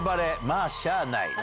まーしゃーない。